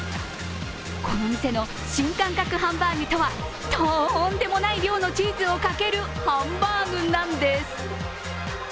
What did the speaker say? この店の新感覚ハンバーグとはとんでもない量のチーズをかけるハンバーグなんです。